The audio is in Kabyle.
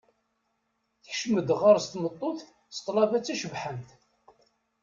Tekcem-d ɣer-s tmeṭṭut s tlaba d tacebḥant